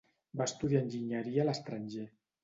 Va estudiar enginyeria a l'estranger.